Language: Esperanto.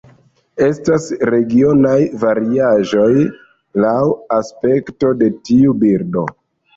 Estas regionaj variaĵoj laŭ aspekto de tiu birdo.